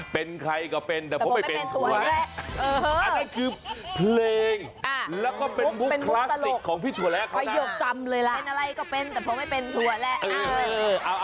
เป็นใครก็เป็นว่าพี่ถั่วแหละแต่ผมไม่เป็นพี่ถั่วแหละ